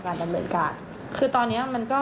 ดำเนินการคือตอนเนี้ยมันก็